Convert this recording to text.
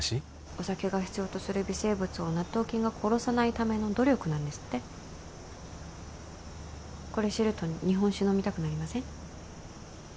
お酒が必要とする微生物を納豆菌が殺さないための努力なんですってこれ知ると日本酒飲みたくなりません？